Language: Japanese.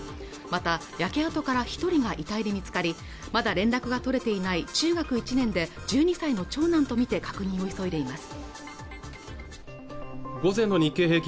また焼け跡から一人が遺体で見つかりまだ連絡が取れていない中学１年で１２歳の長男と見て確認を急いでいます